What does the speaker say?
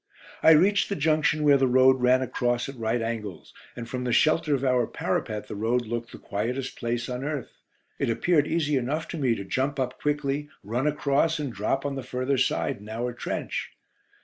I reached the junction where the road ran across at right angles, and from the shelter of our parapet the road looked the quietest place on earth. It appeared easy enough to me to jump up quickly, run across and drop on the further side in our trench.